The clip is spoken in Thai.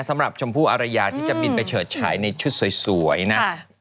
ชมพู่อารยาที่จะบินไปเฉิดฉายในชุดสวยนะ